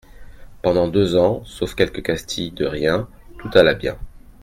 Pendant deux ans, sauf quelques castilles de rien, tout alla bien.